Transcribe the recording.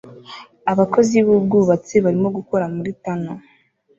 Abakozi b'ubwubatsi barimo gukora muri tunnel